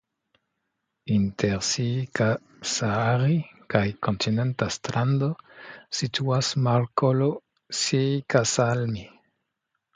Inter Siikasaari kaj kontinenta strando situas markolo Siikasalmi.